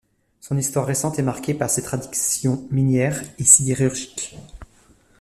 Son histoire récente est marquée par ses traditions minières et sidérurgiques.